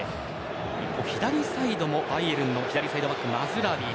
左サイドも、バイエルンの左サイドバック、マズラウィ。